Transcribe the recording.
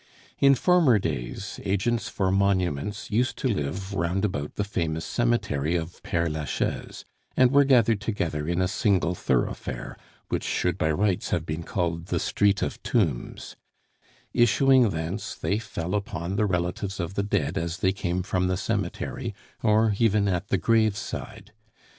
In former days, agents for monuments used to live round about the famous cemetery of Pere Lachaise, and were gathered together in a single thoroughfare, which should by rights have been called the Street of Tombs; issuing thence, they fell upon the relatives of the dead as they came from the cemetery, or even at the grave side.